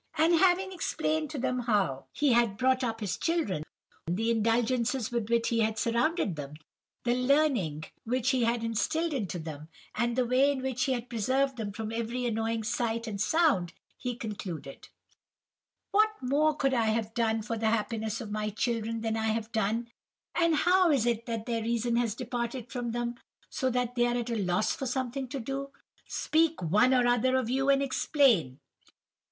"And having explained to them how he had brought up his children, the indulgences with which he had surrounded them, the learning which he had had instilled into them, and the way in which he had preserved them from every annoying sight and sound, he concluded:— "'What more could I have done for the happiness of my children than I have done, and how is it that their reason has departed from them, so that they are at a loss for something to do? Speak one or other of you and explain.